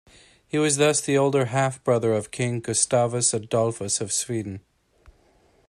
He was thus the older half-brother of King Gustavus Adolphus of Sweden.